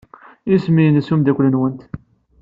Isem-nnes umeddakel-nwent?